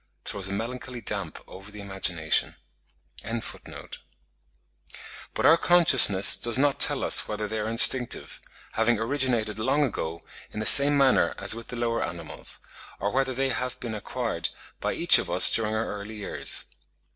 throws a melancholy damp over the imagination."); but our consciousness does not tell us whether they are instinctive, having originated long ago in the same manner as with the lower animals, or whether they have been acquired by each of us during our early years.